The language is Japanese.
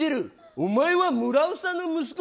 お前は村長の息子。